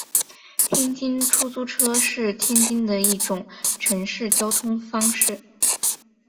天津出租车是天津的一种城市交通方式。